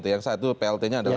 yang satu plt nya adalah